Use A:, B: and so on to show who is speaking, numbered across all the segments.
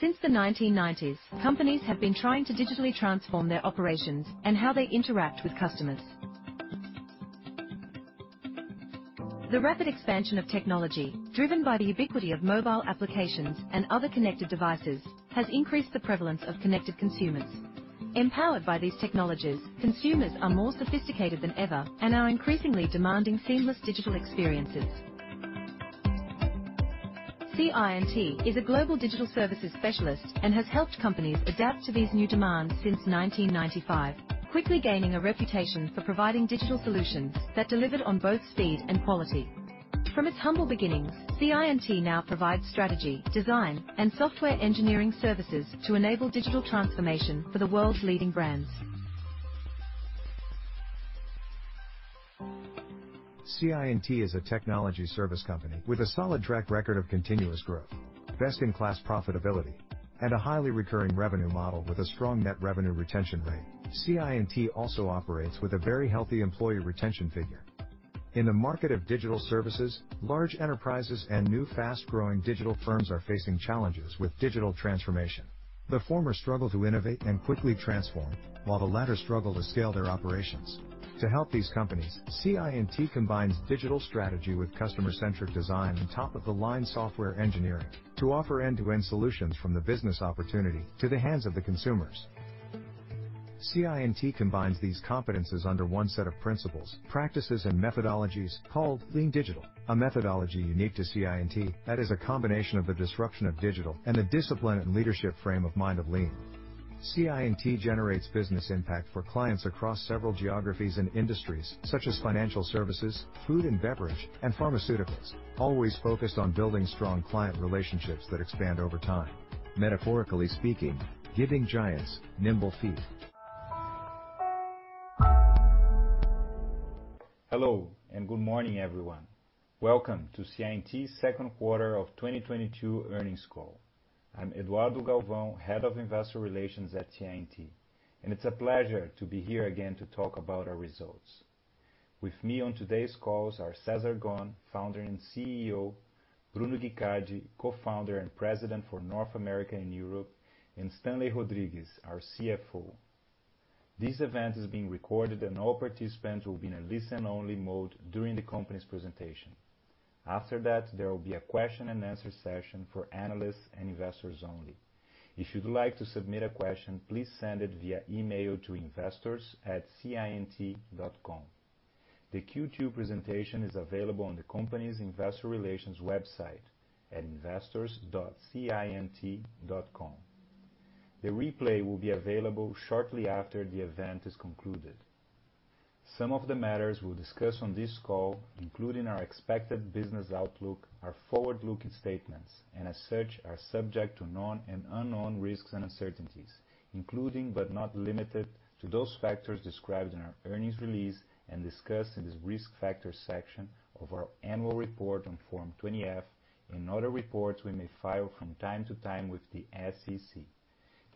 A: Since the 1990s, companies have been trying to digitally transform their operations and how they interact with customers. The rapid expansion of technology, driven by the ubiquity of mobile applications and other connected devices, has increased the prevalence of connected consumers. Empowered by these technologies, consumers are more sophisticated than ever and are increasingly demanding seamless digital experiences. CI&T is a global digital services specialist and has helped companies adapt to these new demands since 1995, quickly gaining a reputation for providing digital solutions that delivered on both speed and quality. From its humble beginnings, CI&T now provides strategy, design, and software engineering services to enable digital transformation for the world's leading brands. CI&T is a technology service company with a solid track record of continuous growth, best in class profitability, and a highly recurring revenue model with a strong net revenue retention rate. CI&T also operates with a very healthy employee retention figure. In the market of digital services, large enterprises and new fast-growing digital firms are facing challenges with digital transformation. The former struggle to innovate and quickly transform, while the latter struggle to scale their operations. To help these companies, CI&T combines digital strategy with customer-centric design and top-of-the-line software engineering to offer end-to-end solutions from the business opportunity to the hands of the consumers. CI&T combines these competencies under one set of principles, practices, and methodologies called Lean Digital, a methodology unique to CI&T that is a combination of the disruption of digital and the discipline and leadership frame of mind of Lean. CI&T generates business impact for clients across several geographies and industries such as financial services, food and beverage, and pharmaceuticals, always focused on building strong client relationships that expand over time. Metaphorically speaking, giving giants nimble feet.
B: Hello, and good morning, everyone. Welcome to CI&T's second quarter of 2022 earnings call. I'm Eduardo Galvão, Head of Investor Relations at CI&T, and it's a pleasure to be here again to talk about our results. With me on today's call are Cesar Gon, Founder and CEO, Bruno Guicardi, Co-founder and President for North America and Europe, and Stanley Rodrigues, our CFO. This event is being recorded and all participants will be in a listen only mode during the company's presentation. After that, there will be a question and answer session for analysts and investors only. If you'd like to submit a question, please send it via email to investors@ciandt.com. The Q2 presentation is available on the company's investor relations website at investors.ciandt.com. The replay will be available shortly after the event is concluded. Some of the matters we'll discuss on this call, including our expected business outlook, are forward-looking statements and as such are subject to known and unknown risks and uncertainties, including but not limited to those factors described in our earnings release and discussed in this risk factors section of our annual report on Form 20-F and other reports we may file from time to time with the SEC.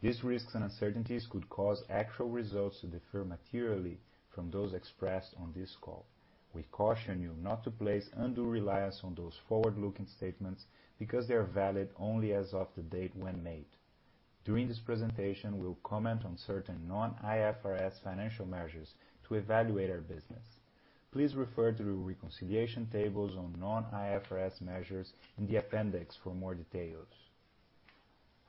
B: These risks and uncertainties could cause actual results to differ materially from those expressed on this call. We caution you not to place undue reliance on those forward-looking statements because they are valid only as of the date when made. During this presentation, we'll comment on certain non-IFRS financial measures to evaluate our business. Please refer to the reconciliation tables on non-IFRS measures in the appendix for more details.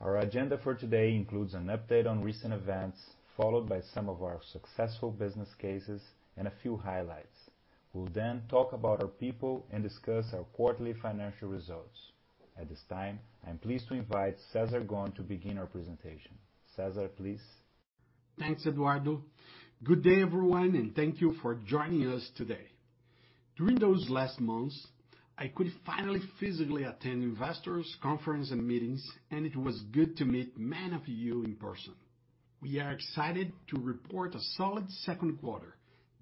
B: Our agenda for today includes an update on recent events, followed by some of our successful business cases and a few highlights. We'll then talk about our people and discuss our quarterly financial results. At this time, I'm pleased to invite Cesar Gon to begin our presentation. Cesar, please.
C: Thanks, Eduardo. Good day, everyone, and thank you for joining us today. During those last months, I could finally physically attend investors conference and meetings, and it was good to meet many of you in person. We are excited to report a solid second quarter,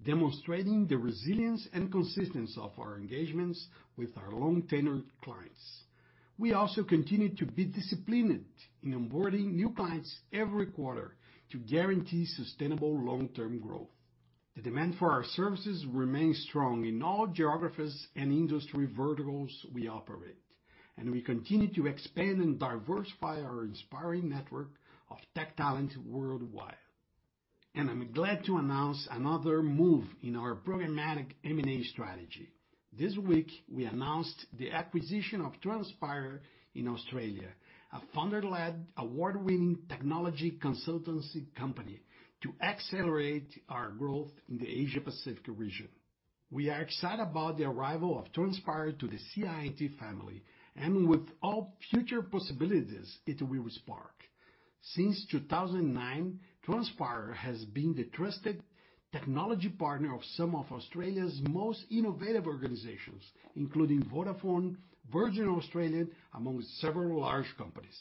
C: demonstrating the resilience and consistency of our engagements with our long-tenured clients. We also continue to be disciplined in onboarding new clients every quarter to guarantee sustainable long-term growth. The demand for our services remains strong in all geographies and industry verticals we operate, and we continue to expand and diversify our inspiring network of tech talent worldwide. I'm glad to announce another move in our programmatic M&A Strategy. This week, we announced the acquisition of Transpire in Australia, a founder-led, award-winning technology consultancy company to accelerate our growth in the Asia Pacific region. We are excited about the arrival of Transpire to the CI&T family and with all future possibilities it will spark. Since 2009, Transpire has been the trusted technology partner of some of Australia's most innovative organizations, including Vodafone, Virgin Australia, among several large companies.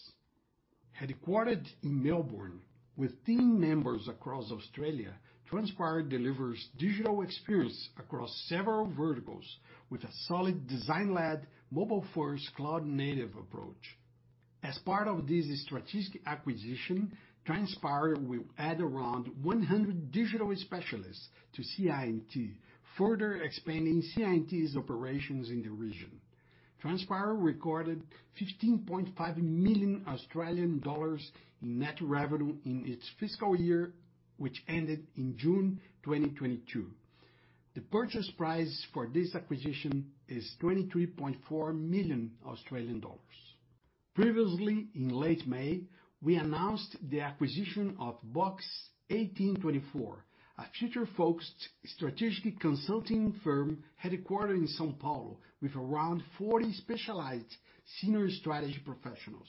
C: Headquartered in Melbourne with team members across Australia, Transpire delivers digital experience across several verticals with a solid design-led, mobile-first cloud-native approach. As part of this strategic acquisition, Transpire will add around 100 digital specialists to CI&T, further expanding CI&T's operations in the region. Transpire recorded 15.5 million Australian dollars in net revenue in its fiscal year, which ended in June 2022. The purchase price for this acquisition is 23.4 million Australian dollars. Previously, in late May, we announced the acquisition of Box1824, a future-focused strategic consulting firm headquartered in São Paulo with around 40 specialized senior strategy professionals,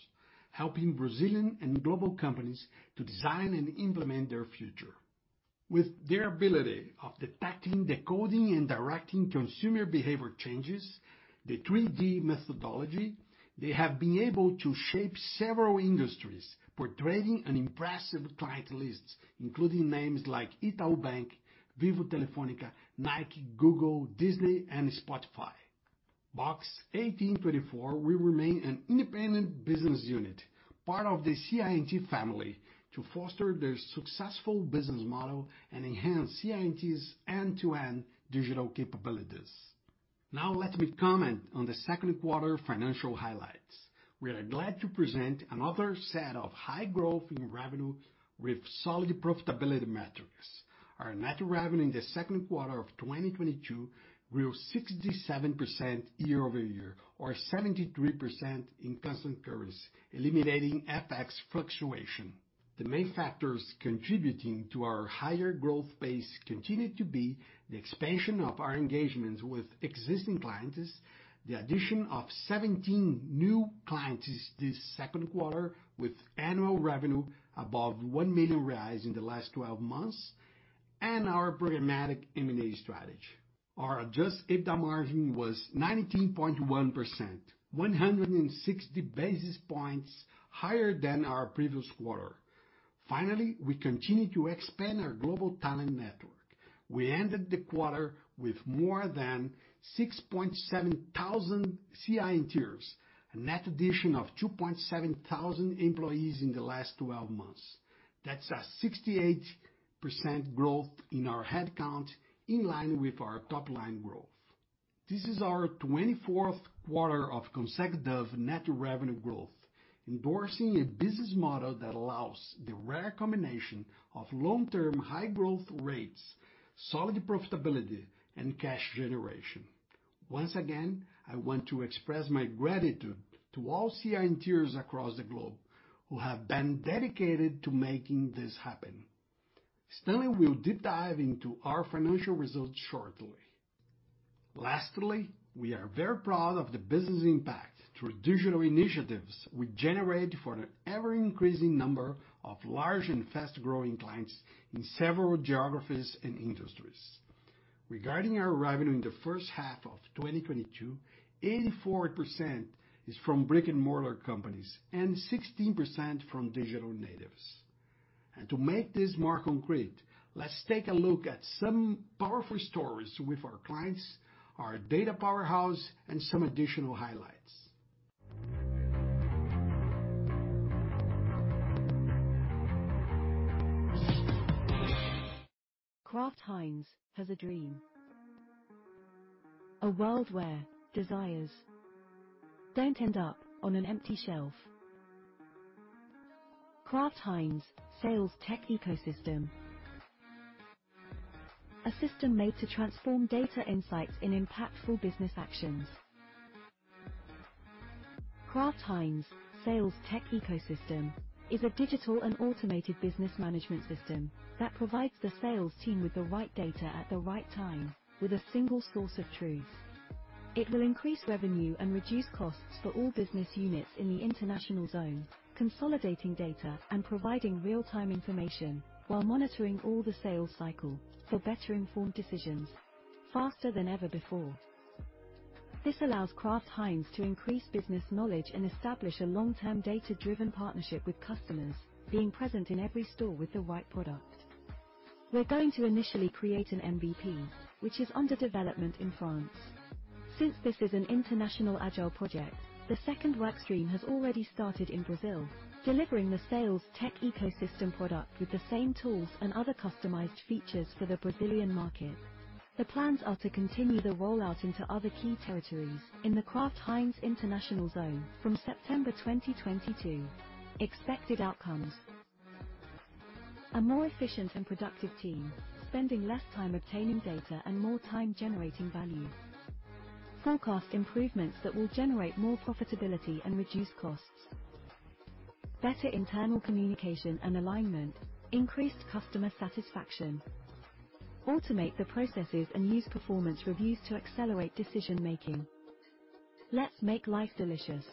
C: helping Brazilian and global companies to design and implement their future. With their ability of detecting, decoding, and directing consumer behavior changes, the 3D methodology, they have been able to shape several industries, portraying an impressive client list, including names like Itaú, Vivo, Nike, Google, Disney, and Spotify. Box1824 will remain an independent business unit, part of the CI&T family, to foster their successful business model and enhance CI&T's end-to-end digital capabilities. Now let me comment on the second quarter financial highlights. We are glad to present another set of high growth in revenue with solid profitability metrics. Our net revenue in the second quarter of 2022 grew 67% year-over-year, or 73% in constant currency, eliminating FX fluctuation. The main factors contributing to our higher growth base continued to be the expansion of our engagements with existing clients, the addition of 17 new clients this second quarter with annual revenue above 1 million reais in the last 12 months, and our programmatic M&A strategy. Our adjusted EBITDA margin was 19.1%, 160 basis points higher than our previous quarter. Finally, we continue to expand our global talent network. We ended the quarter with more than 6,700 CI&Ters, a net addition of 2,700 employees in the last 12 months. That's a 68% growth in our headcount, in line with our top-line growth. This is our 24th quarter of consecutive net revenue growth, endorsing a business model that allows the rare combination of long-term high growth rates, solid profitability, and cash generation. Once again, I want to express my gratitude to all CI&Ters across the globe who have been dedicated to making this happen. Stanley will deep dive into our financial results shortly. Lastly, we are very proud of the business impact through digital initiatives we generate for an ever-increasing number of large and fast-growing clients in several geographies and industries. Regarding our revenue in the first half of 2022, 84% is from brick-and-mortar companies and 16% from digital natives. To make this more concrete, let's take a look at some powerful stories with our clients, our Data Powerhouse, and some additional highlights.
A: Kraft Heinz has a dream, a world where desires don't end up on an empty shelf. Kraft Heinz Sales Tech Ecosystem, a system made to transform data insights into impactful business actions. Kraft Heinz Sales Tech Ecosystem is a digital and automated business management system that provides the sales team with the right data at the right time with a single source of truth. It will increase revenue and reduce costs for all business units in the international zone, consolidating data and providing real-time information while monitoring all the sales cycle for better informed decisions faster than ever before. This allows Kraft Heinz to increase business knowledge and establish a long-term data-driven partnership with customers being present in every store with the right product. We're going to initially create an MVP, which is under development in France. Since this is an international agile project, the second work stream has already started in Brazil, delivering the Sales Tech Ecosystem product with the same tools and other customized features for the Brazilian market. The plans are to continue the rollout into other key territories in the Kraft Heinz International Zone from September 2022. Expected outcomes. A more efficient and productive team, spending less time obtaining data and more time generating value. Forecast improvements that will generate more profitability and reduce costs. Better internal communication and alignment. Increased customer satisfaction. Automate the processes and use performance reviews to accelerate decision-making. Let's make life delicious.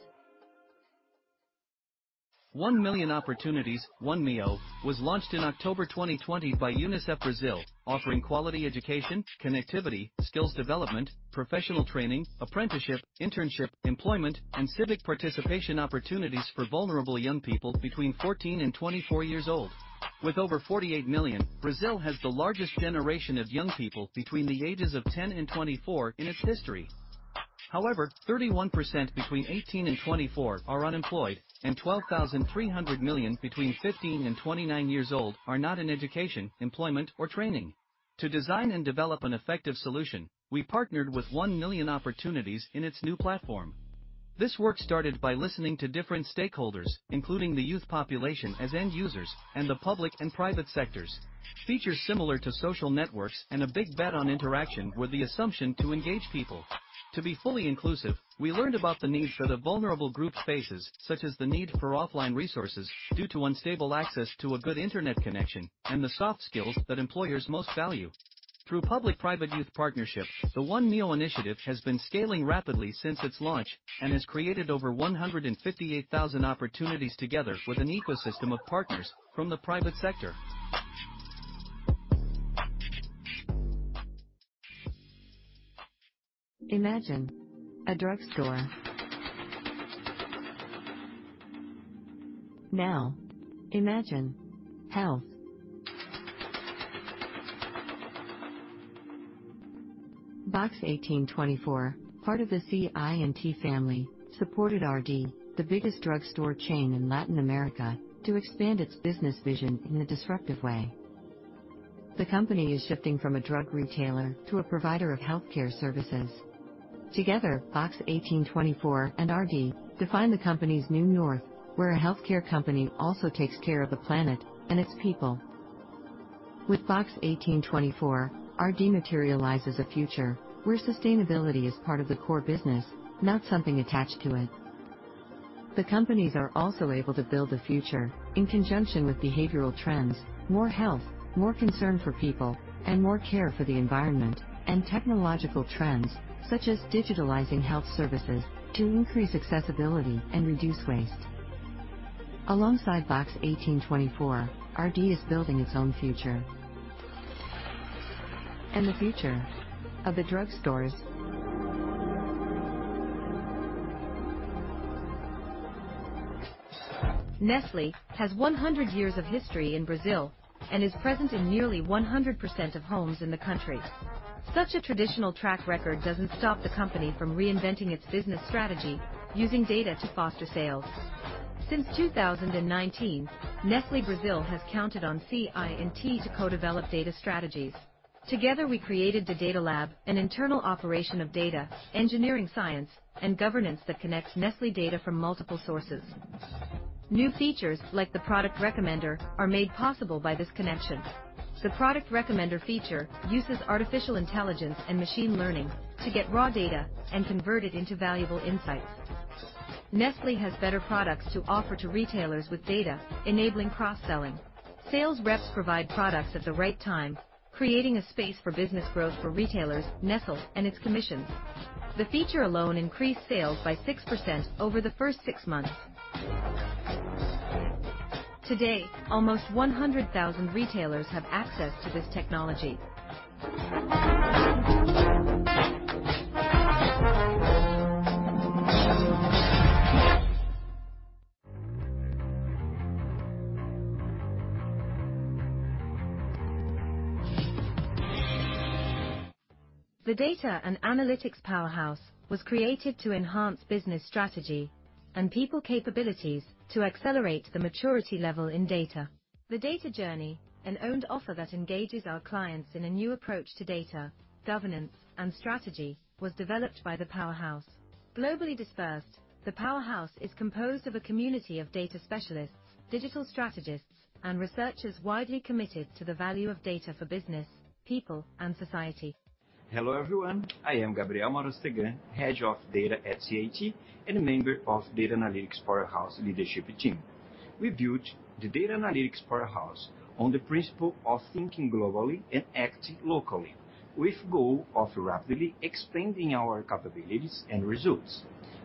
A: One Million Opportunities, 1MiO, was launched in October 2020 by UNICEF Brazil, offering quality education, connectivity, skills development, professional training, apprenticeship, internship, employment, and civic participation opportunities for vulnerable young people between 14 and 24 years old. With over 48 million, Brazil has the largest generation of young people between the ages of 10 and 24 in its history. However, 31% between 18 and 24 are unemployed, and 12.3 million between 15 and 29 years old are not in education, employment, or training. To design and develop an effective solution, we partnered with One Million Opportunities in its new platform. This work started by listening to different stakeholders, including the youth population as end users and the public and private sectors. Features similar to social networks and a big bet on interaction were the assumption to engage people. To be fully inclusive, we learned about the needs that a vulnerable group faces, such as the need for offline resources due to unstable access to a good internet connection and the soft skills that employers most value. Through public-private-youth partnership, the 1MiO initiative has been scaling rapidly since its launch and has created over 158,000 opportunities together with an ecosystem of partners from the private sector. Imagine a drugstore. Now imagine health. Box 1824, part of the CI&T family, supported RD, the biggest drugstore chain in Latin America, to expand its business vision in a disruptive way. The company is shifting from a drug retailer to a provider of healthcare services. Together, Box 1824 and RD define the company's new north, where a healthcare company also takes care of the planet and its people. With Box 1824, RD materializes a future where sustainability is part of the core business, not something attached to it. The companies are also able to build a future in conjunction with behavioral trends, more health, more concern for people, and more care for the environment, and technological trends such as digitalizing health services to increase accessibility and reduce waste. Alongside Box 1824, RD is building its own future and the future of the drugstores. Nestlé has 100 years of history in Brazil and is present in nearly 100% of homes in the country. Such a traditional track record doesn't stop the company from reinventing its business strategy using data to foster sales. Since 2019, Nestlé Brasil has counted on CI&T to co-develop data strategies. Together, we created the Data Lab, an internal operation of data, engineering science, and governance that connects Nestlé data from multiple sources. New features, like the product recommender, are made possible by this connection. The product recommender feature uses artificial intelligence and machine learning to get raw data and convert it into valuable insights. Nestlé has better products to offer to retailers with data, enabling cross-selling. Sales reps provide products at the right time, creating a space for business growth for retailers, Nestlé, and its commissions. The feature alone increased sales by 6% over the first six months. Today, almost 100,000 retailers have access to this technology. The Data and Analytics Powerhouse was created to enhance business strategy and people capabilities to accelerate the maturity level in data. The Data Journey, an owned offer that engages our clients in a new approach to data, governance, and strategy, was developed by the Powerhouse. Globally dispersed, the Powerhouse is composed of a community of data specialists, digital strategists, and researchers widely committed to the value of data for business, people, and society.
D: Hello, everyone. I am Gabriel Marostegam, head of data at CI&T and a member of Data and Analytics Powerhouse leadership team. We built the Data and Analytics Powerhouse on the principle of thinking globally and acting locally, with goal of rapidly expanding our capabilities and results.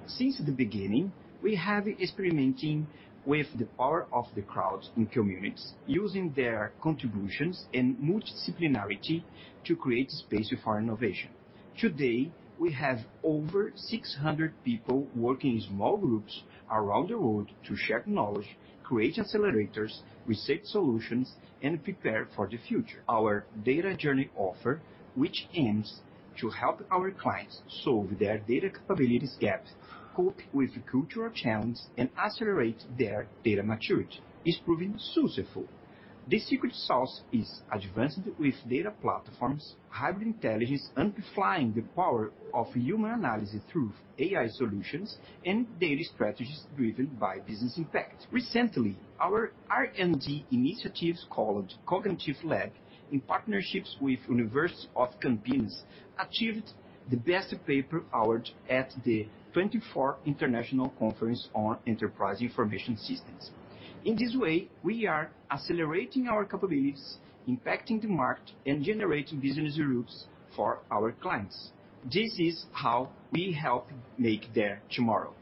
D: Since the beginning, we have been experimenting with the power of the crowd in communities using their contributions and multidisciplinarity to create space for innovation. Today, we have over 600 people working in small groups around the world to share knowledge, create accelerators, receive solutions, and prepare for the future. Our Data Journey offer, which aims to help our clients solve their data capabilities gap, cope with cultural challenge, and accelerate their data maturity, is proving successful. The secret sauce is advanced with Data Platforms, Hybrid Intelligence, Amplifying the Power of Human Analysis through AI solutions and data strategies driven by business impact. Recently, our R&D initiatives called Cognitive Lab in partnerships with University of Campinas achieved the Best Paper Award at the 24th International Conference on Enterprise Information Systems. In this way, we are accelerating our capabilities, impacting the market, and generating business groups for our clients. This is how we help make their tomorrow.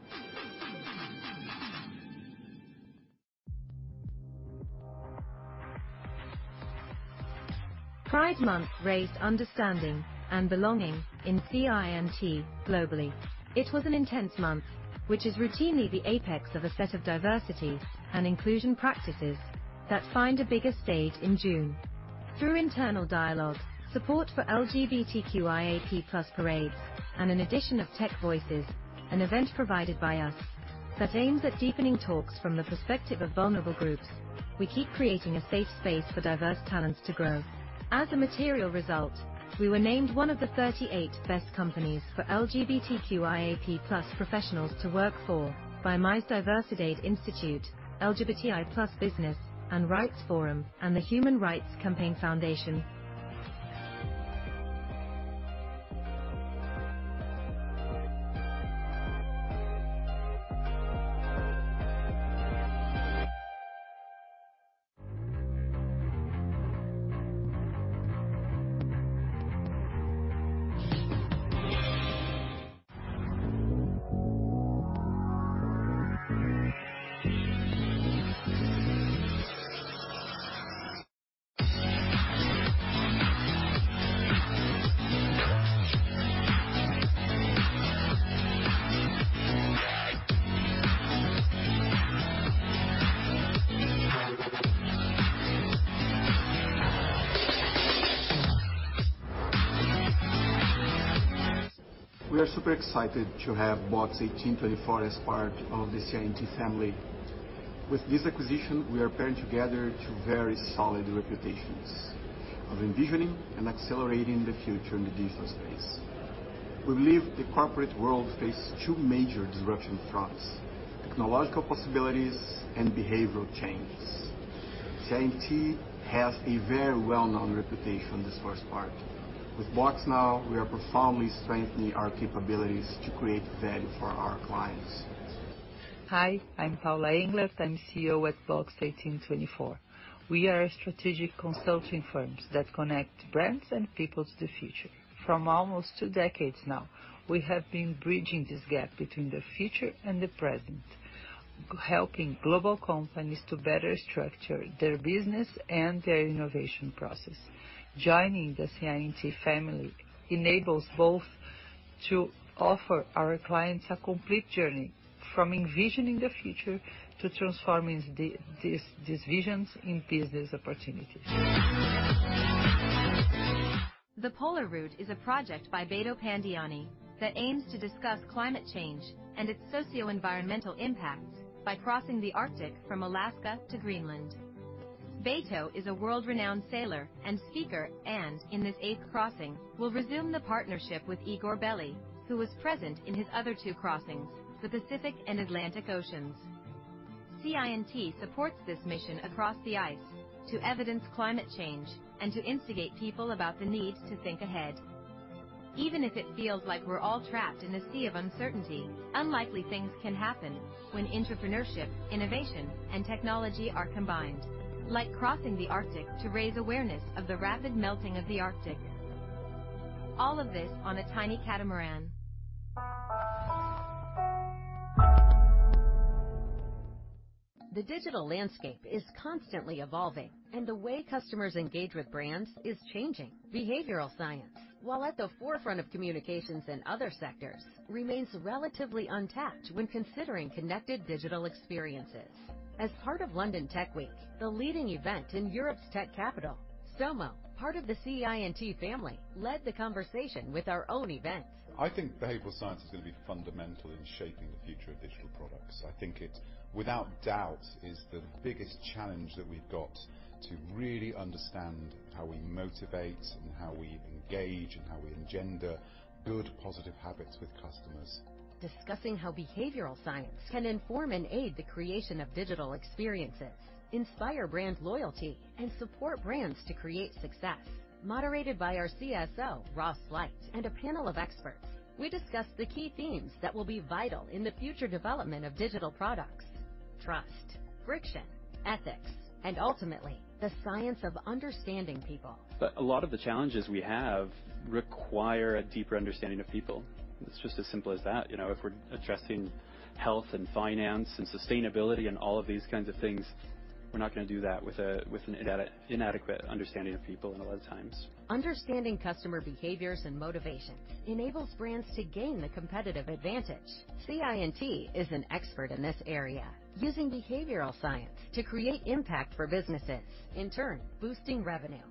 A: Pride Month raised understanding and belonging in CI&T globally. It was an intense month, which is routinely the apex of a set of diversity and inclusion practices that find a bigger stage in June. Through internal dialogue, support for LGBTQIA+ parades, and an addition of Tech Voices, an event provided by us that aims at deepening talks from the perspective of vulnerable groups, we keep creating a safe space for diverse talents to grow. As a material result, we were named one of the 38 best companies for LGBTQIA+ professionals to work for by Mais Diversidade Institute, LGBTI+ Business and Rights Forum and the Human Rights Campaign Foundation.
C: We are super excited to have Box1824 as part of the CI&T family. With this acquisition, we are pairing together two very solid reputations of envisioning and accelerating the future in the digital space. We believe the corporate world faces two major disruption threats, technological possibilities and behavioral changes. CI&T has a very well-known reputation in this first part. With Box now, we are profoundly strengthening our capabilities to create value for our clients.
E: Hi, I'm Paula Englert. I'm CEO at Box1824. We are a strategic consulting firms that connect brands and people to the future. From almost two decades now, we have been bridging this gap between the future and the present, helping global companies to better structure their business and their innovation process. Joining the CI&T family enables both to offer our clients a complete journey from envisioning the future to transforming these visions into business opportunities.
A: The Polar Route is a project by Beto Pandiani that aims to discuss climate change and its socio-environmental impact by crossing the Arctic from Alaska to Greenland. Beto is a world-renowned sailor and speaker, and in this eighth crossing, will resume the partnership with Igor Bely, who was present in his other two crossings, the Pacific and Atlantic Oceans. CI&T supports this mission across the ice to evidence climate change and to instigate people about the need to think ahead. Even if it feels like we're all trapped in a sea of uncertainty, unlikely things can happen when entrepreneurship, innovation, and technology are combined. Like crossing the Arctic to raise awareness of the rapid melting of the Arctic. All of this on a tiny catamaran. The digital landscape is constantly evolving, and the way customers engage with brands is changing. Behavioral science, while at the forefront of communications in other sectors, remains relatively untapped when considering connected digital experiences. As part of London Tech Week, the leading event in Europe's tech capital, Somo, part of the CI&T family, led the conversation with our own event.
F: I think behavioral science is gonna be fundamental in shaping the future of digital products. I think it, without doubt, is the biggest challenge that we've got to really understand how we motivate and how we engage and how we engender good positive habits with customers.
A: Discussing how behavioral science can inform and aid the creation of digital experiences, inspire brand loyalty, and support brands to create success. Moderated by our CSO, Ross Sleight, and a panel of experts, we discussed the key themes that will be vital in the future Development of Digital Products, Trust, Friction, Ethics, and Ultimately, the Science of Understanding People.
G: A lot of the challenges we have require a deeper Understanding of People. It's just as simple as that. You know, if we're addressing health and finance and sustainability and all of these kinds of things, we're not gonna do that with an inadequate Understanding of People a lot of times.
A: Understanding customer behaviors and motivations enables brands to gain the competitive advantage. CI&T is an expert in this area, using behavioral science to create impact for businesses, in turn, boosting revenue.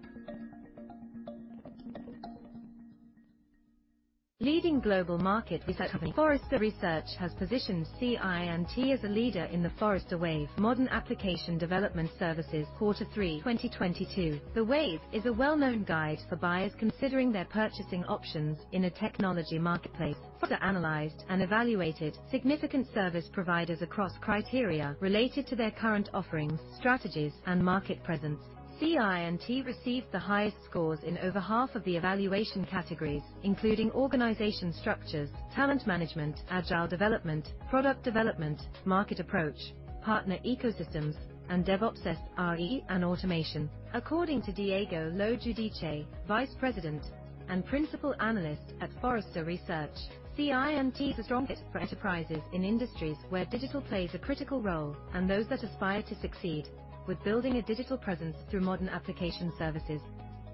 A: Leading global market research company, Forrester Research, has positioned CI&T as a leader in the Forrester Wave modern application development services, Q3 2022. The Wave is a well-known guide for buyers considering their purchasing options in a technology marketplace. Forrester analyzed and evaluated significant service providers across criteria related to their current offerings, strategies, and market presence. CI&T received the highest scores in over half of the evaluation categories, including organization structures, talent management, agile development, product development, market approach, partner ecosystems, and DevOps SRE and automation. According to Diego Lo Giudice, vice president and principal analyst at Forrester Research, "CI&T is a strong fit for enterprises in industries where digital plays a critical role and those that aspire to succeed with building a digital presence through modern application services."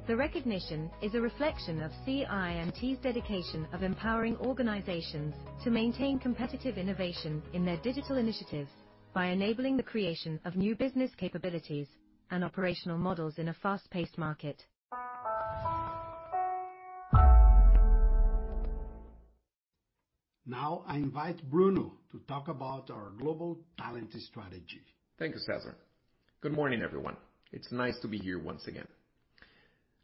A: The recognition is a reflection of CI&T's dedication of empowering organizations to maintain competitive innovation in their digital initiatives by enabling the creation of new business capabilities and operational models in a fast-paced market.
H: Now I invite Bruno to talk about our Global Talent Strategy.
I: Thank you, Cesar. Good morning, everyone. It's nice to be here once again.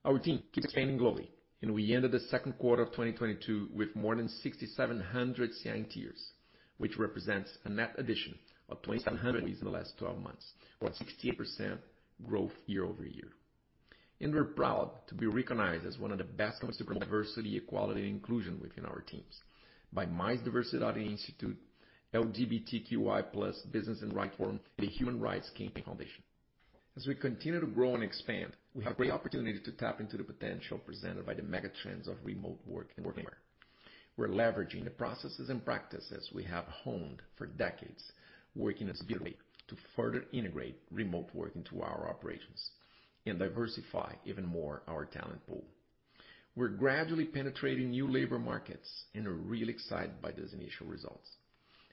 I: Our team keeps expanding globally, and we ended the second quarter of 2022 with more than 6,700 CI&Ters, which represents a net addition of 2,700 in the last 12 months, 0.68% growth year-over-year. We're proud to be recognized as one of the best when it comes to diversity, equality, and inclusion within our teams by Mais Diversidade Institute, LGBTI+ Business and Rights Forum, and the Human Rights Campaign Foundation. As we continue to grow and expand, we have great opportunity to tap into the potential presented by the mega trends of remote work and work anywhere. We're leveraging the processes and practices we have honed for decades, working us together to further integrate remote work into our operations and diversify even more our talent pool. We're gradually penetrating new labor markets and are really excited by those initial results.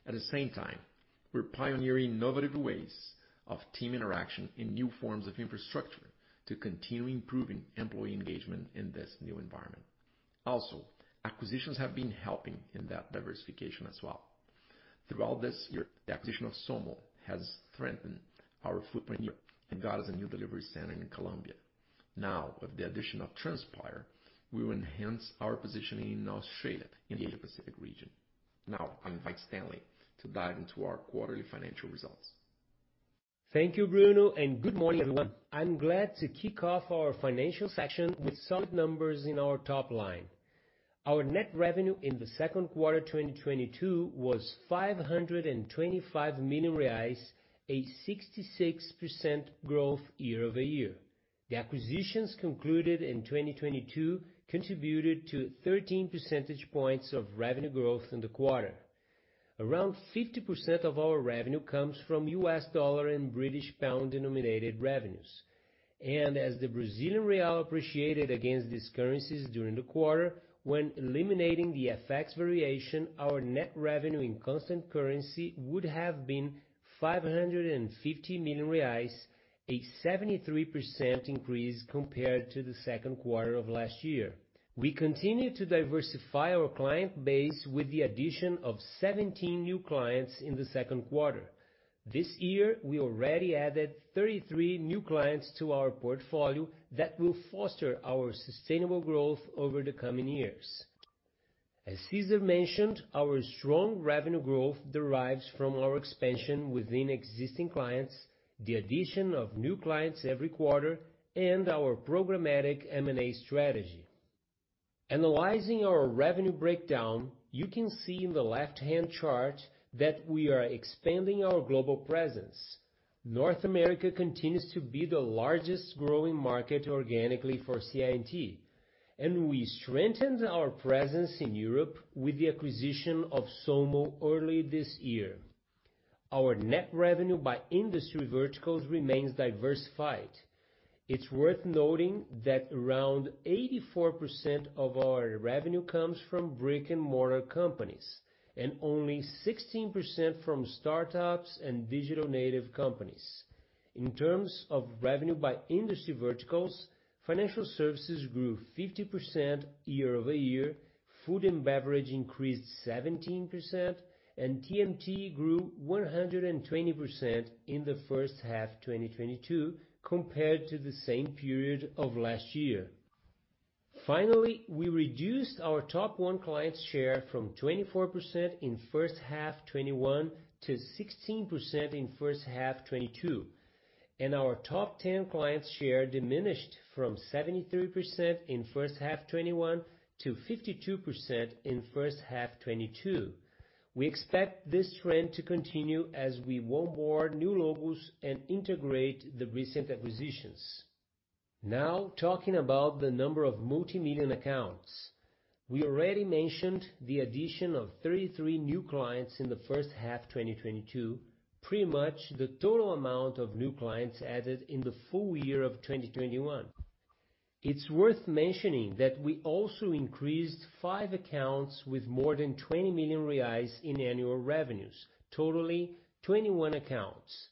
I: At the same time, we're pioneering innovative ways of team interaction and new forms of infrastructure to continue improving employee engagement in this new environment. Also, acquisitions have been helping in that diversification as well. Throughout this year, the acquisition of Somo has strengthened our footprint and got us a new delivery center in Colombia. Now, with the addition of Transpire, we will enhance our positioning in Australia in the Asia-Pacific region. Now I invite Stanley to dive into our quarterly financial results.
H: Thank you, Bruno, and good morning, everyone. I'm glad to kick off our financial section with solid numbers in our top line. Our net revenue in the second quarter 2022 was 525 million reais, a 66% growth year-over-year. The acquisitions concluded in 2022 contributed to 13 percentage points of revenue growth in the quarter. Around 50% of our revenue comes from US dollar and British pound-denominated revenues. As the Brazilian real appreciated against these currencies during the quarter, when eliminating the FX variation, our net revenue in constant currency would have been 550 million reais, a 73% increase compared to the second quarter of last year. We continue to diversify our client base with the addition of 17 new clients in the second quarter. This year, we already added 33 new clients to our portfolio that will foster our sustainable growth over the coming years. As Cesar mentioned, our strong revenue growth derives from our expansion within existing clients, the addition of new clients every quarter, and our programmatic M&A strategy. Analyzing our revenue breakdown, you can see in the left-hand chart that we are expanding our global presence. North America continues to be the largest growing market organically for CI&T, and we strengthened our presence in Europe with the acquisition of Somo early this year. Our net revenue by industry verticals remains diversified. It's worth noting that around 84% of our revenue comes from brick-and-mortar companies and only 16% from start-ups and digital native companies. In terms of revenue by industry verticals, financial services grew 50% year-over-year, food and beverage increased 17%, and TMT grew 120% in the first half 2022 compared to the same period of last year. Finally, we reduced our top one client share from 24% in first half 2021 to 16% in first half 2022, and our top ten clients share diminished from 73% in first half 2021 to 52% in first half 2022. We expect this trend to continue as we onboard new logos and integrate the recent acquisitions. Now talking about the number of multimillion accounts. We already mentioned the addition of 33 new clients in the first half 2022, pretty much the total amount of new clients added in the full year of 2021. It's worth mentioning that we also increased five accounts with more than 20 million reais in annual revenues, totaling 21 accounts.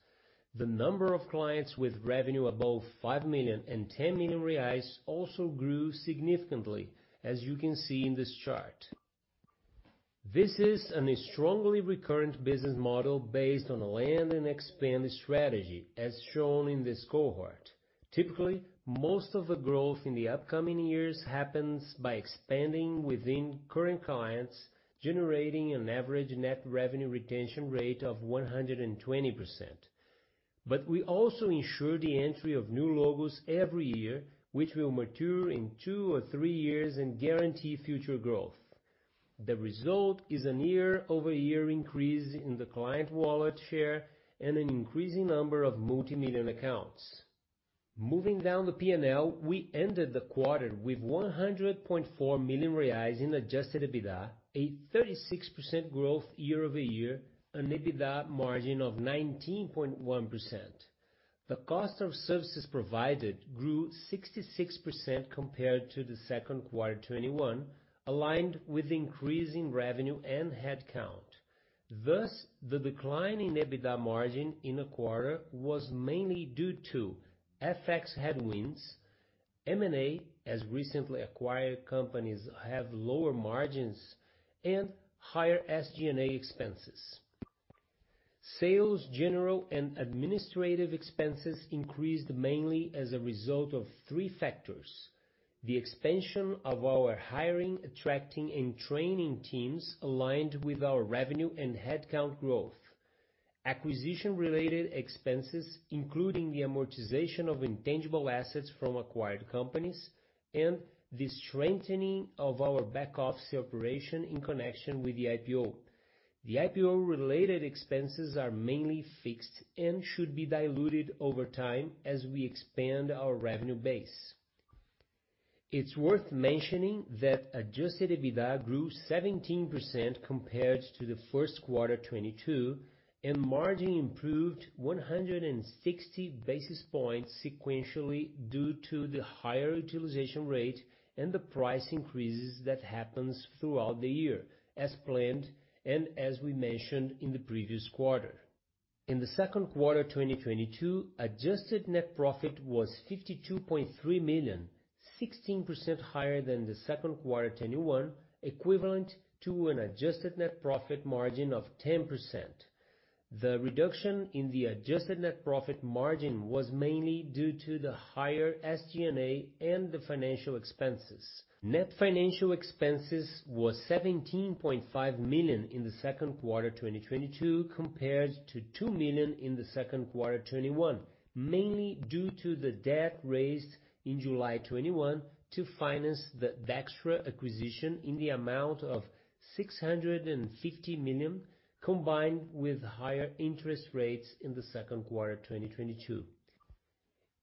H: The number of clients with revenue above 5 million and 10 million reais also grew significantly, as you can see in this chart. This is a strongly recurrent business model based on a land and expand strategy as shown in this cohort. Typically, most of the growth in the upcoming years happens by expanding within current clients, generating an average net revenue retention rate of 120%. We also ensure the entry of new logos every year, which will mature in two or three years and guarantee future growth. The result is a year-over-year increase in the client wallet share and an increasing number of multimillion accounts. Moving down the P&L, we ended the quarter with 100.4 million reais in adjusted EBITDA, a 36% growth year-over-year, an EBITDA margin of 19.1%. The cost of services provided grew 66% compared to the second quarter 2021, aligned with increase in revenue and headcount. Thus, the decline in EBITDA margin in the quarter was mainly due to FX headwinds, M&A, as recently acquired companies have lower margins and higher SG&A expenses. Sales, general and administrative expenses increased mainly as a result of three factors. The expansion of our hiring, attracting and training teams aligned with our revenue and headcount growth. Acquisition-related expenses, including the amortization of intangible assets from acquired companies, and the strengthening of our back-office operation in connection with the IPO. The IPO related expenses are mainly fixed and should be diluted over time as we expand our revenue base. It's worth mentioning that adjusted EBITDA grew 17% compared to the first quarter 2022, and margin improved 160 basis points sequentially due to the higher utilization rate and the price increases that happens throughout the year as planned and as we mentioned in the previous quarter. In the second quarter 2022, adjusted net profit was 52.3 million, 16% higher than the second quarter 2021, equivalent to an adjusted net profit margin of 10%. The reduction in the adjusted net profit margin was mainly due to the higher SG&A and the financial expenses. Net financial expenses was 17.5 million in the second quarter 2022 compared to 2 million in the second quarter 2021, mainly due to the debt raised in July 2021 to finance the Dextra acquisition in the amount of 650 million, combined with higher interest rates in the second quarter 2022.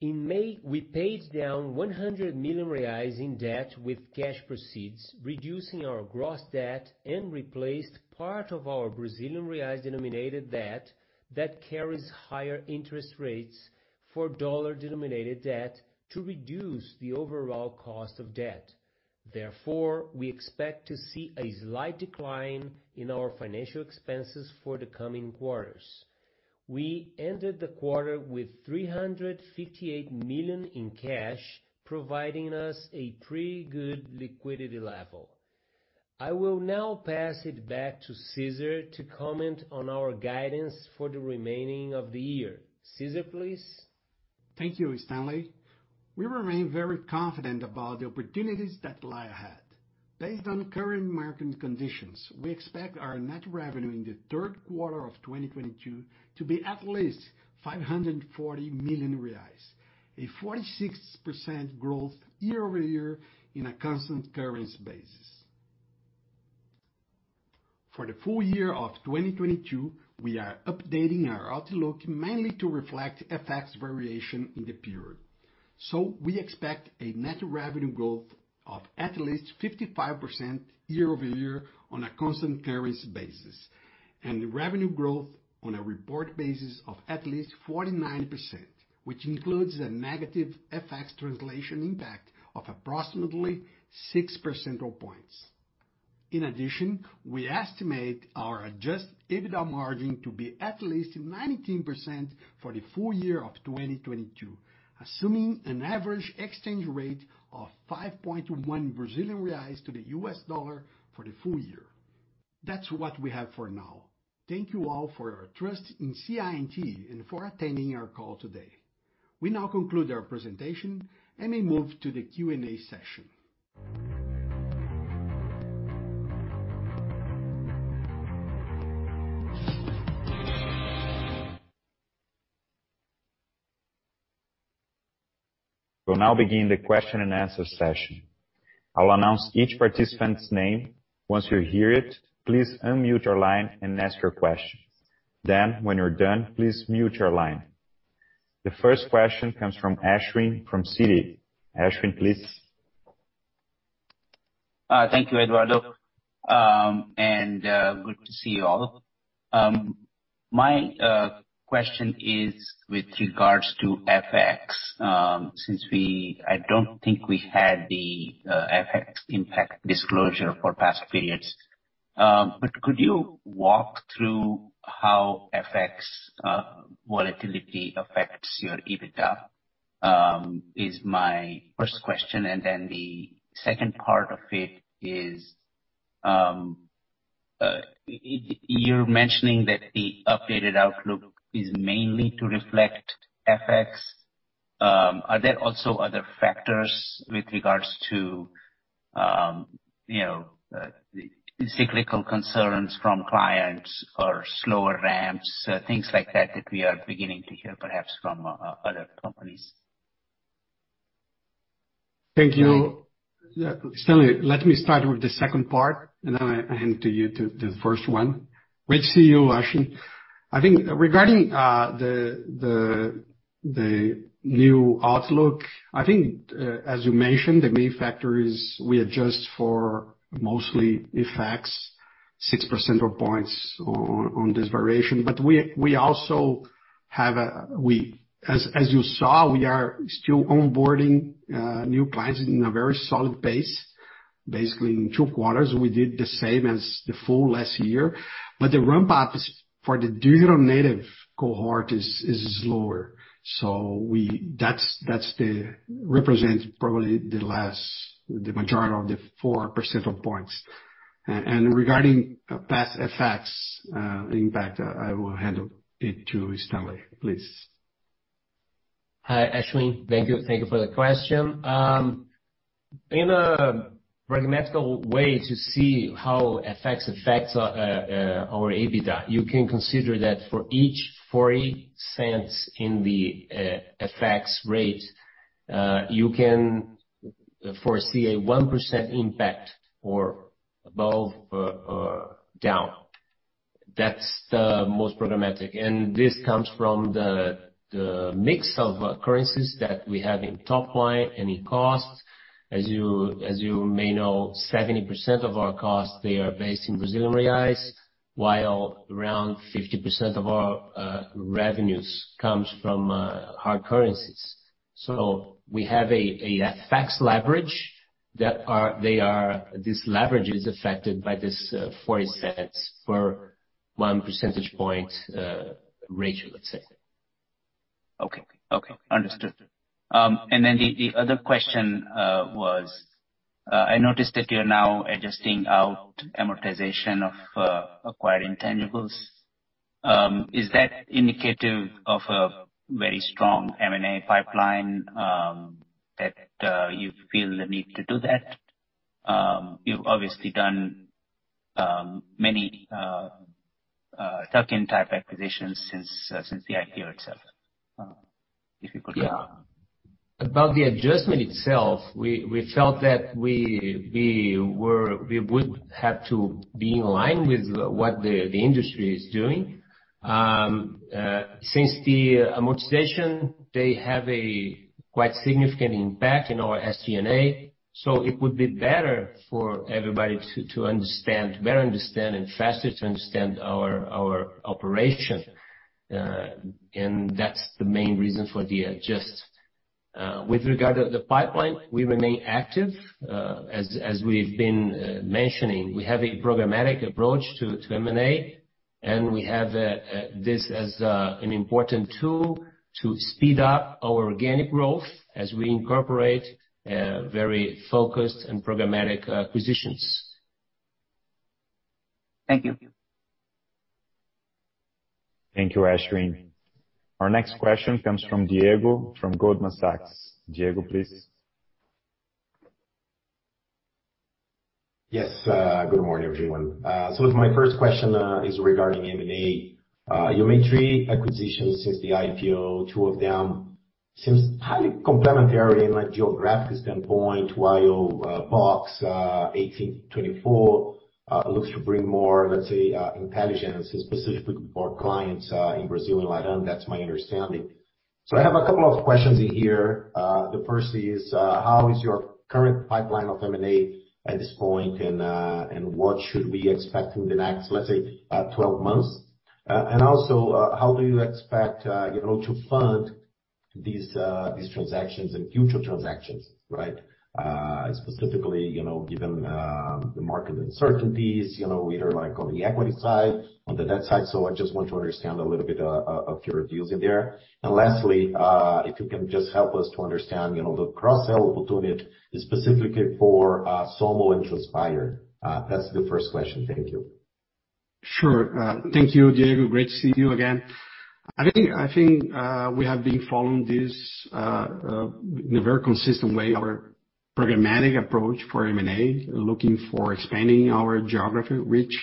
H: In May, we paid down 100 million reais in debt with cash proceeds, reducing our gross debt and replaced part of our Brazilian reais denominated debt that carries higher interest rates for dollar-denominated debt to reduce the overall cost of debt. Therefore, we expect to see a slight decline in our financial expenses for the coming quarters. We ended the quarter with 358 million in cash, providing us a pretty good liquidity level. I will now pass it back to Cesar to comment on our guidance for the remainder of the year. Cesar, please.
C: Thank you, Stanley. We remain very confident about the opportunities that lie ahead. Based on current market conditions, we expect our net revenue in the third quarter of 2022 to be at least 540 million reais, a 46% growth year-over-year in a constant currency basis. For the full year of 2022, we are updating our outlook mainly to reflect FX variation in the period. We expect a net revenue growth of at least 55% year-over-year on a constant currency basis, and revenue growth on a reported basis of at least 49%, which includes a negative FX translation impact of approximately six percentage points. In addition, we estimate our adjusted EBITDA margin to be at least 19% for the full year of 2022, assuming an average exchange rate of 5.1 Brazilian reais to the US dollar for the full year. That's what we have for now. Thank you all for your trust in CI&T and for attending our call today. We now conclude our presentation and may move to the Q&A session.
J: We'll now begin the question-and-answer session. I'll announce each participant's name. Once you hear it, please unmute your line and ask your question. Then when you're done, please mute your line. The first question comes from Ashwin from Citi. Ashwin, please.
K: Thank you, Eduardo. Good to see you all. My question is with regards to FX. I don't think we had the FX impact disclosure for past periods. But could you walk through how FX volatility affects your EBITDA? Is my first question. Then the second part of it is, you're mentioning that the updated outlook is mainly to reflect FX. Are there also other factors with regards to you know cyclical concerns from clients or slower ramps, things like that that we are beginning to hear perhaps from other companies?
C: Thank you. Stanley, let me start with the second part, and then I hand it to you to the first one. Great to see you, Ashwin. I think regarding the new outlook, I think, as you mentioned, the main factor is we adjust for mostly FX, 6 percentage points on this variation. We also have, as you saw, we are still onboarding new clients in a very solid pace. Basically, in two quarters we did the same as the full last year. The ramp-up for the digital native cohort is lower. That represents probably the majority of the 4 percentage points. And regarding FX effects impact, I will hand it to Stanley. Please.
H: Hi, Ashwin. Thank you for the question. In a programmatic way to see how FX affects our EBITDA, you can consider that for each 4 cents in the FX rate, you can foresee a 1% impact or above or down. That's the most programmatic. This comes from the mix of currencies that we have in top line and in costs. As you may know, 70% of our costs they are based in Brazilian reais, while around 50% of our revenues comes from hard currencies. We have an FX leverage. This leverage is affected by this 4 cents per one percentage point ratio, let's say.
K: The other question was I noticed that you're now adjusting out amortization of acquired intangibles. Is that indicative of a very strong M&A pipeline that you feel the need to do that? You've obviously done many tuck-in type acquisitions since the IPO itself. If you could-
H: Yeah. About the adjustment itself, we felt that we would have to be in line with what the industry is doing. Since the amortization, they have a quite significant impact in our SG&A, so it would be better for everybody to understand better and faster our operation. That's the main reason for the adjustment. With regard to the pipeline, we remain active. As we've been mentioning, we have a programmatic approach to M&A, and we have this as an important tool to speed up our organic growth as we incorporate very focused and programmatic acquisitions.
K: Thank you.
J: Thank you, Ashwin. Our next question comes from Diego, from Goldman Sachs. Diego, please.
L: Yes. Good morning, everyone. My first question is regarding M&A. You made 3 acquisitions since the IPO. Two of them seems highly complementary in like geographic standpoint, while Box 1824 looks to bring more, let's say, intelligence specifically for clients in Brazil and LatAm. That's my understanding. I have a couple of questions in here. The first is, how is your current pipeline of M&A at this point, and what should we expect in the next, let's say, 12 months? Also, how do you expect, you know, to fund these transactions and future transactions, right? Specifically, you know, given the market uncertainties, you know, either like on the equity side, on the debt side. I just want to understand a little bit of your views in there. Lastly, if you can just help us to understand, you know, the cross-sell opportunity specifically for Somo and Transpire? That's the first question. Thank you.
C: Sure. Thank you, Diego. Great to see you again. I think we have been following this in a very consistent way, our programmatic approach for M&A, looking for expanding our geographic reach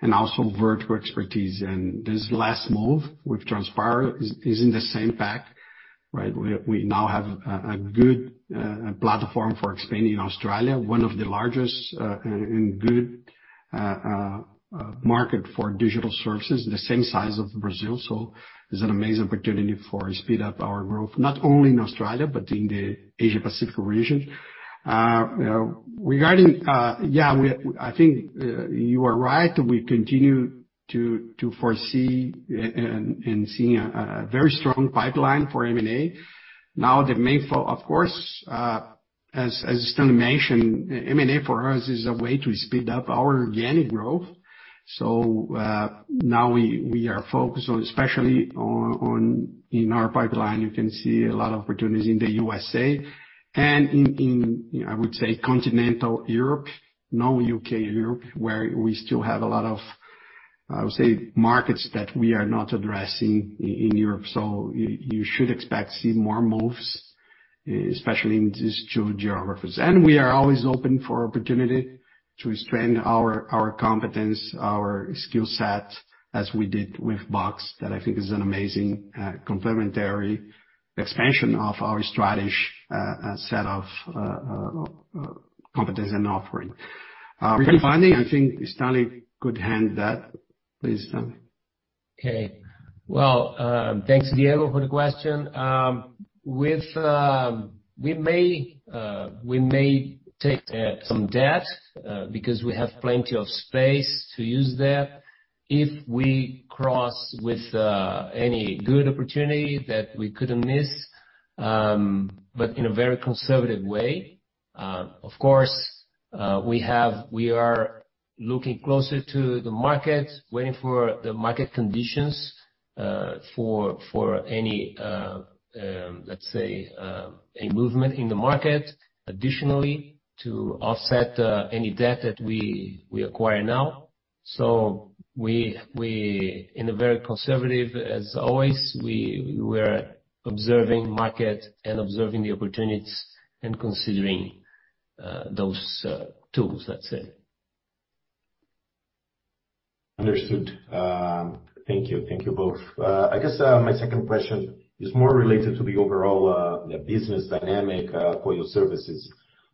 C: and also vertical expertise. This last move with Transpire is in the same vein, right? We now have a good platform for expanding in Australia, one of the largest and good market for digital services, the same size of Brazil. It's an amazing opportunity to speed up our growth, not only in Australia, but in the Asia Pacific region. Regarding, I think you are right, we continue to foresee and see a very strong pipeline for M&A. Now, of course, as Stanley mentioned, M&A for us is a way to speed up our organic growth. Now we are focused on, especially on, in our pipeline, you can see a lot of opportunities in the USA and in I would say continental Europe, not UK, Europe, where we still have a lot of, I would say, markets that we are not addressing in Europe. You should expect to see more moves, especially in these two geographies. We are always open for opportunity to strengthen our competence, our skill set, as we did with Box. That I think is an amazing complementary expansion of our strategic set of competence and offering. Regarding, I think Stanley could handle that. Please, Stanley.
H: Okay. Well, thanks, Diego Aragao, for the question. We may take some debt because we have plenty of space to use debt if we come across any good opportunity that we couldn't miss, but in a very conservative way. Of course, we are looking closer to the market, waiting for the market conditions for any, let's say, a movement in the market additionally to offset any debt that we acquire now. We in a very conservative, as always, we were observing market and observing the opportunities and considering those tools, let's say.
L: Understood. Thank you. Thank you both. I guess my second question is more related to the overall business dynamic for your services.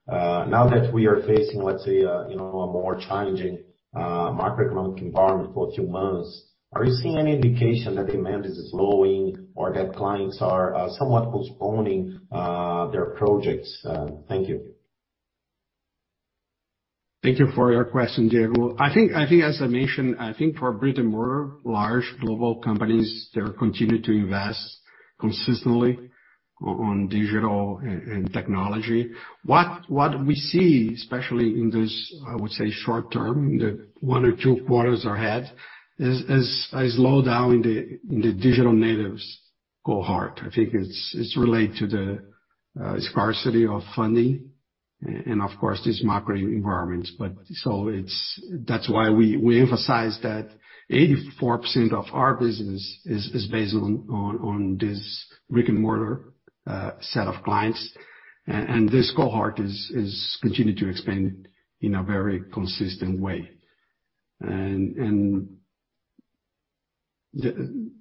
L: Now that we are facing, let's say, you know, a more challenging macroeconomic environment for a few months, are you seeing any indication that demand is slowing or that clients are somewhat postponing their projects? Thank you.
C: Thank you for your question, Diego. I think as I mentioned, I think for brick-and-mortar large global companies, they'll continue to invest consistently on digital and technology. What we see, especially in this, I would say short-term, the one or two quarters ahead, is a slowdown in the digital natives cohort. I think it's related to the scarcity of funding and of course this macro environment. It's that's why we emphasize that 84% of our business is based on this brick-and-mortar set of clients. This cohort is continued to expand in a very consistent way.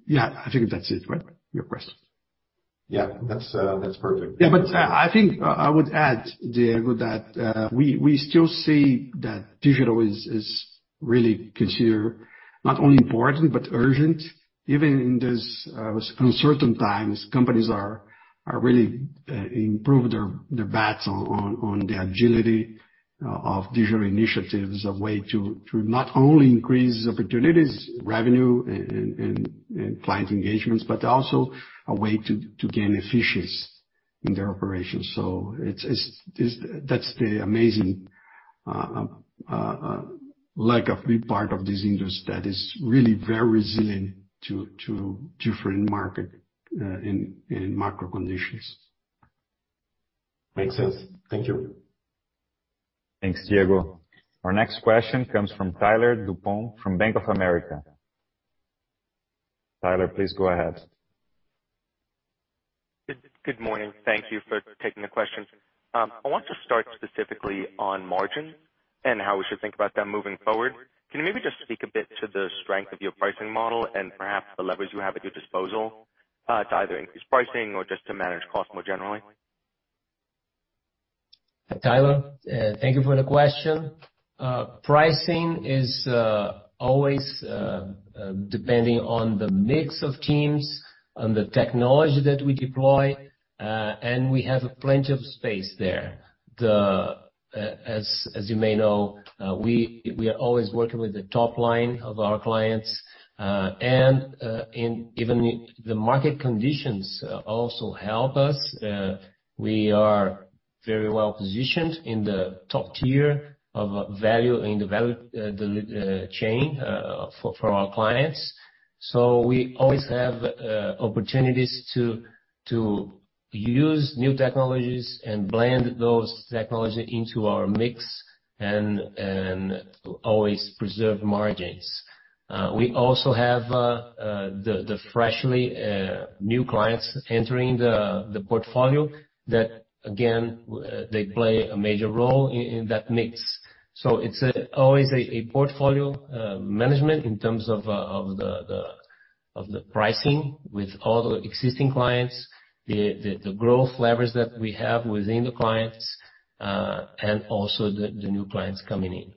C: Yeah, I think that's it, right, your question.
L: Yeah. That's perfect.
C: Yeah. I think I would add, Diego, that we still see that digital is really considered not only important but urgent. Even in these uncertain times, companies are really improving their bets on the agility of digital initiatives, a way to not only increase opportunities, revenue and client engagements, but also a way to gain efficiencies in their operations. That's the amazing, like, a big part of this industry that is really very resilient to different market and macro conditions.
L: Makes sense. Thank you.
J: Thanks, Diego. Our next question comes from Tyler DuPont from Bank of America. Tyler, please go ahead.
M: Good morning. Thank you for taking the question. I want to start specifically on margins and how we should think about them moving forward. Can you maybe just speak a bit to the strength of your pricing model and perhaps the leverage you have at your disposal, to either increase pricing or just to manage costs more generally?
H: Tyler, thank you for the question. Pricing is always depending on the mix of teams, on the technology that we deploy, and we have plenty of space there. As you may know, we are always working with the top line of our clients. Even the market conditions also help us. We are very well-positioned in the top tier of value in the value chain for our clients. We always have opportunities to use new technologies and blend those technology into our mix and always preserve margins. We also have the freshly new clients entering the portfolio that again they play a major role in that mix. It's always a portfolio management in terms of the pricing with all the existing clients, the growth levers that we have within the clients, and also the new clients coming in.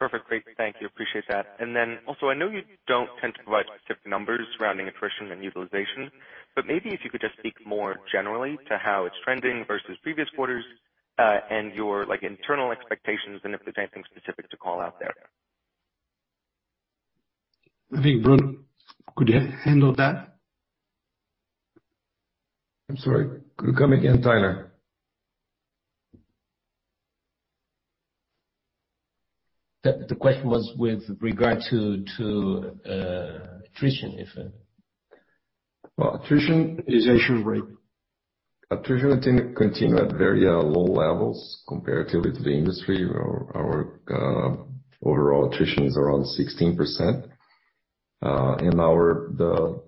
M: Perfect. Great. Thank you. Appreciate that. I know you don't tend to provide specific numbers surrounding attrition and utilization, but maybe if you could just speak more generally to how it's trending versus previous quarters, and your like, internal expectations and if there's anything specific to call out there.
C: I think Bruno, could you handle that?
I: I'm sorry. Could you come again, Tyler?
M: The question was with regard to attrition, if
C: Well, attrition is.
I: Attrition rate.
L: Attrition continues at very low levels comparatively to the industry. Our overall attrition is around 16%. Another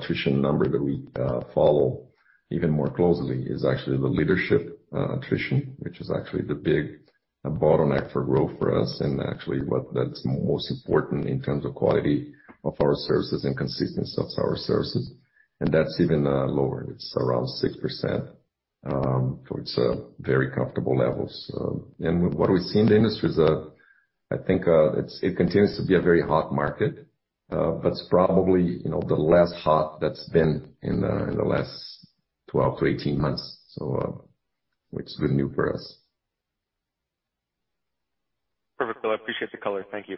L: attrition number that we follow even more closely is actually the leadership attrition, which is actually the big bottleneck for growth for us and actually what that's most important in terms of quality of our services and consistency of our services. That's even lower. It's around 6%. It's very comfortable levels. What we see in the industry is I think it continues to be a very hot market, but it's probably, you know, the least hot that's been in the last 12-18 months. Which is good news for us.
M: Perfect. Well, I appreciate the color. Thank you.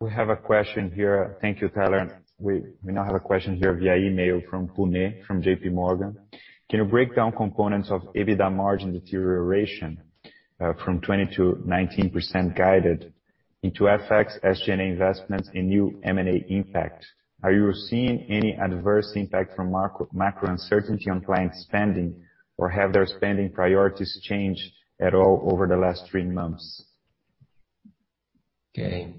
J: We have a question here. Thank you, Tyler. We now have a question here via email from Puneet from JPMorgan. Can you break down components of EBITDA margin deterioration from 20% to 19% guided into FX, SG&A investments and new M&A impact. Are you seeing any adverse impact from macro uncertainty on client spending or have their spending priorities changed at all over the last three months?
H: Okay.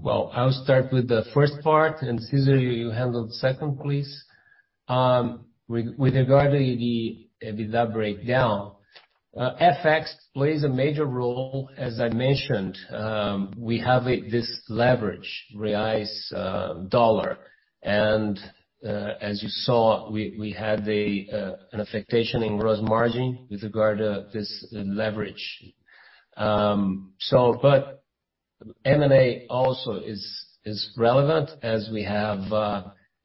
H: Well, I'll start with the first part, and Cesar you handle the second, please. With regard to the EBITDA breakdown, FX plays a major role. As I mentioned, we have this leverage, reais, dollar. As you saw, we had an effect in gross margin with regard to this leverage. M&A also is relevant as we have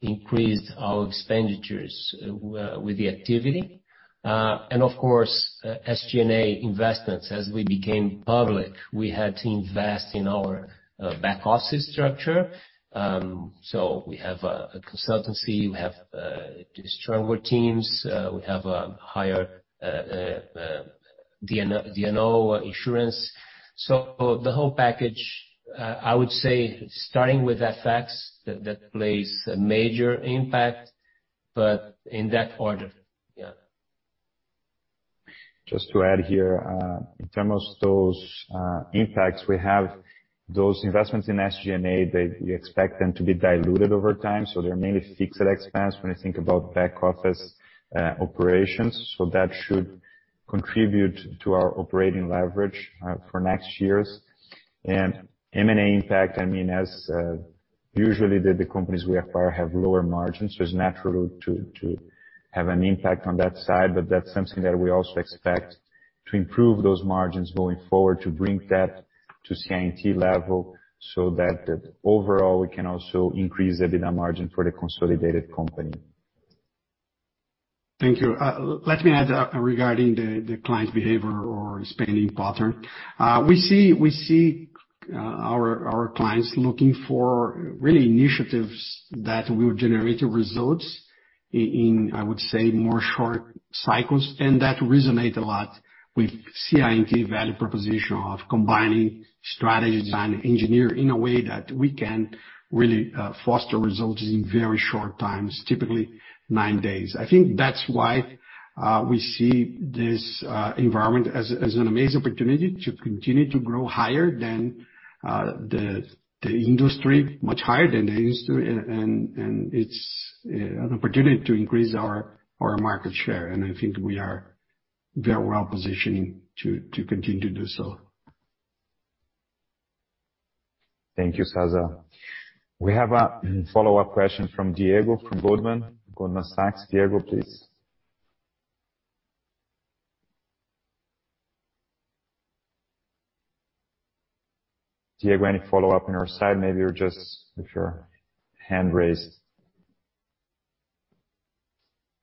H: increased our expenditures with the activity. Of course, SG&A investments. As we became public, we had to invest in our back office structure. We have a consultancy. We have stronger teams. We have a higher D&O insurance. The whole package, I would say starting with FX that has a major impact, but in that order.
N: Just to add here, in terms of those impacts we have, those investments in SG&A, we expect them to be diluted over time. They're mainly fixed expense when you think about back office operations. That should contribute to our operating leverage for next years. M&A impact, I mean, usually the companies we acquire have lower margins, so it's natural to have an impact on that side. That's something that we also expect to improve those margins going forward to bring that to CI&T level so that overall we can also increase EBITDA margin for the consolidated company.
C: Thank you. Let me add, regarding the client behavior or spending pattern. We see our clients looking for really initiatives that will generate results in, I would say, more short cycles. That resonate a lot with CI&T value proposition of combining strategy, design, engineer in a way that we can really foster results in very short times, typically nine days. I think that's why we see this environment as an amazing opportunity to continue to grow higher than the industry, much higher than the industry. It's an opportunity to increase our market share. I think we are very well positioned to continue to do so.
N: Thank you, Cesar. We have a follow-up question from Diego, from Goldman Sachs. Diego, please. Diego, any follow-up on your side? Maybe you're just with your hand raised.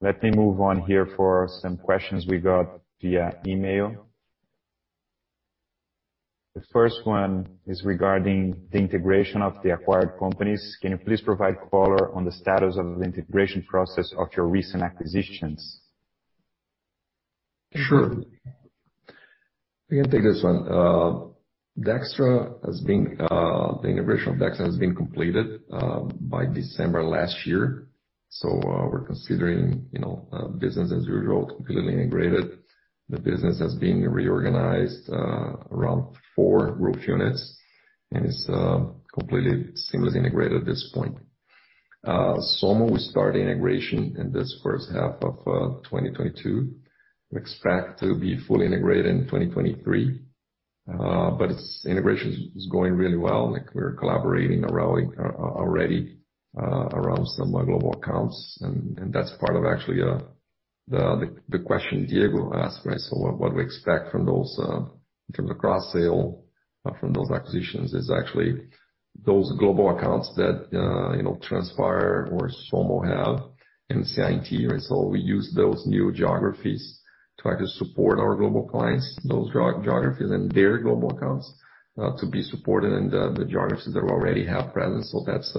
N: Let me move on here for some questions we got via email. The first one is regarding the integration of the acquired companies. Can you please provide color on the status of the integration process of your recent acquisitions?
L: Sure. I can take this one. The integration of Dextra has been completed by December last year. We're considering, you know, business as usual, completely integrated. The business has been reorganized around four growth units, and it's completely seamlessly integrated at this point. Somo, we start integration in this first half of 2022. We expect to be fully integrated in 2023. Its integration is going really well. Like, we're collaborating already around some global accounts. That's part of actually the question Diego asked, right? What we expect from those in terms of cross-sell from those acquisitions is actually those global accounts that, you know, Transpire or Somo have in CI&T. We use those new geographies to actually support our global clients, those geographies and their global accounts, to be supported in the geographies that already have presence. That's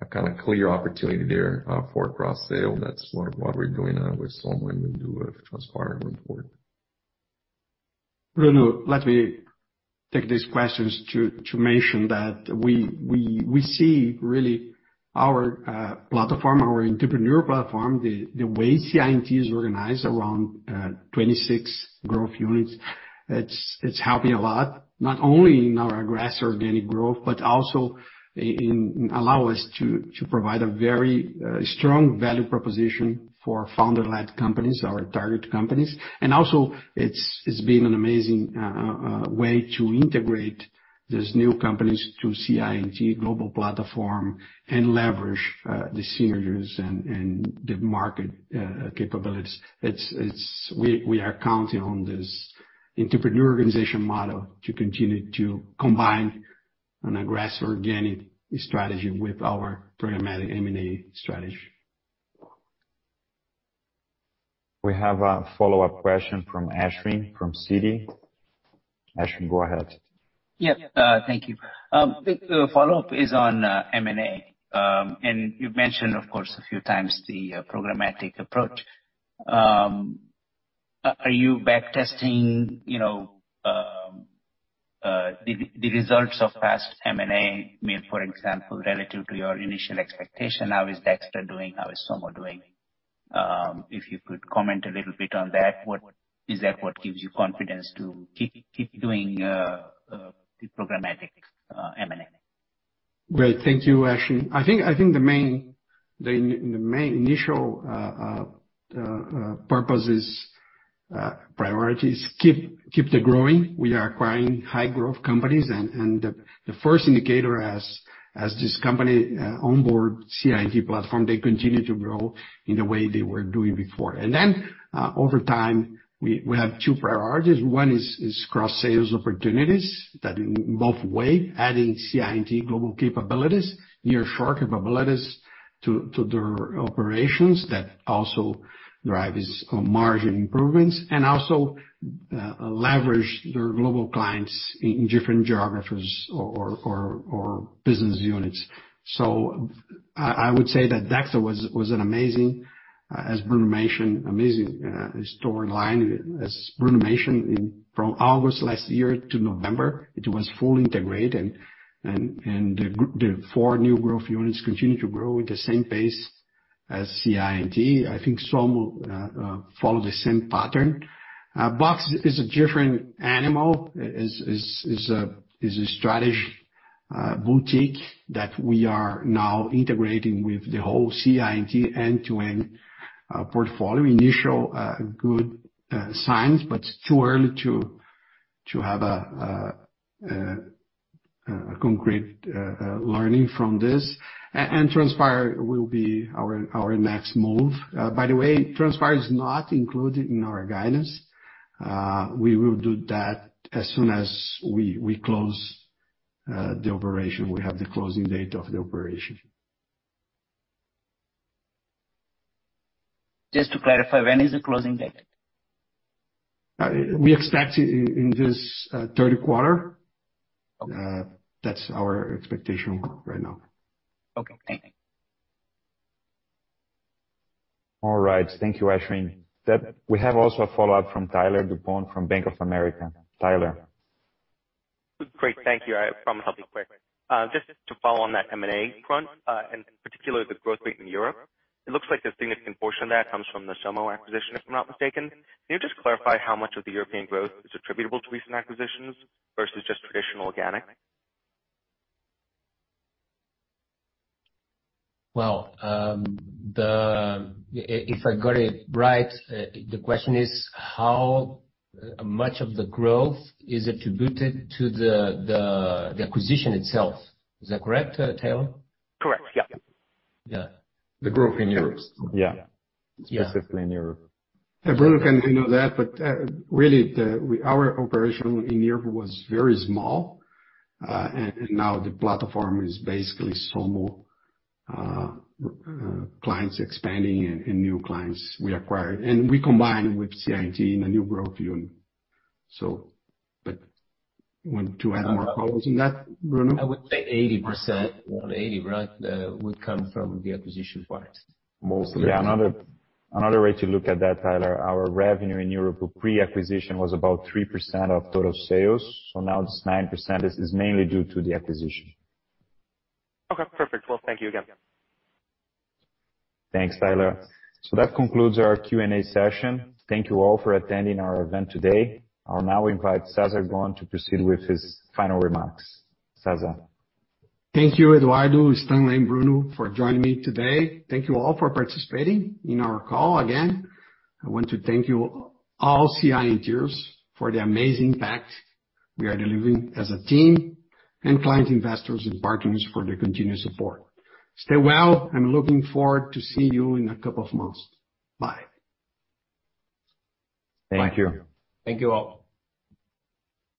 L: a kinda clear opportunity there for cross-sell. That's what we're doing with Somo and we do with Transpire going forward.
C: Bruno, let me take these questions to mention that we see really our platform, our entrepreneur platform. The way CI&T is organized around 26 growth units, it's helping a lot, not only in our aggressive organic growth, but also in allowing us to provide a very strong value proposition for founder-led companies, our target companies. Also it's been an amazing way to integrate- These new companies to CI&T's global platform and leverage the synergies and the market capabilities. We are counting on this entrepreneurial organization model to continue to combine an aggressive organic strategy with our programmatic M&A strategy.
J: We have a follow-up question from Ashwin from Citi. Ashwin, go ahead.
K: Yeah, thank you. The follow-up is on M&A. You've mentioned, of course, a few times the programmatic approach. Are you backtesting, you know, the results of past M&A? I mean, for example, relative to your initial expectation, how is Dextra doing, how is Somo doing? If you could comment a little bit on that, what is that what gives you confidence to keep doing the programmatic M&A?
C: Great. Thank you, Ashwin. I think the main initial purpose is priorities keep the growing. We are acquiring high growth companies and the first indicator is this company onboard CI&T platform, they continue to grow in the way they were doing before. Over time, we have two priorities. One is cross-sales opportunities that both ways adding CI&T global capabilities, nearshore capabilities to their operations that also drive this margin improvements and also leverage their global clients in different geographies or business units. I would say that Dextra was an amazing, as Bruno mentioned, storyline, from August last year to November, it was fully integrated. The four new growth units continue to grow at the same pace as CI&T. I think Somo follow the same pattern. Box is a different animal, a strategy boutique that we are now integrating with the whole CI&T end-to-end portfolio. Initial good signs, but it's too early to have a concrete learning from this. Transpire will be our next move. By the way, Transpire is not included in our guidance. We will do that as soon as we close the operation. We have the closing date of the operation.
K: Just to clarify, when is the closing date?
C: We expect in this third quarter.
K: Okay.
C: That's our expectation right now.
K: Okay. Thank you.
J: All right. Thank you, Ashwin. We have also a follow-up from Tyler DuPont from Bank of America. Tyler?
M: Great. Thank you. I promise I'll be quick. Just to follow on that M&A front, and in particular the growth rate in Europe, it looks like a significant portion of that comes from the Somo acquisition, if I'm not mistaken. Can you just clarify how much of the European growth is attributable to recent acquisitions versus just traditional organic?
H: Well, if I got it right, the question is how much of the growth is attributed to the acquisition itself. Is that correct, Tyler?
M: Correct. Yeah.
H: Yeah.
C: The growth in Europe.
H: Yeah.
O: Yeah. Specifically in Europe.
C: Bruno can handle that. Really our operation in Europe was very small. Now the platform is basically Somo, clients expanding and new clients we acquired, and we combine with CI&T in a new growth unit. You want to add more colors in that, Bruno?
I: I would say 80%. Around 80, right, would come from the acquisition part, mostly.
C: Another way to look at that, Tyler, our revenue in Europe pre-acquisition was about 3% of total sales, so now it's 9%. This is mainly due to the acquisition.
M: Okay. Perfect. Well, thank you again.
J: Thanks, Tyler. That concludes our Q&A session. Thank you all for attending our event today. I'll now invite Cesar Gon to proceed with his final remarks. Cesar.
C: Thank you, Eduardo, Stanley, and Bruno for joining me today. Thank you all for participating in our call. Again, I want to thank you all CI&Ters for the amazing impact we are delivering as a team and client investors and partners for their continued support. Stay well. I'm looking forward to see you in a couple of months. Bye.
J: Thank you.
H: Thank you all.